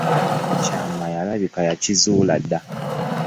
Ekyama alabika yakizuula dda.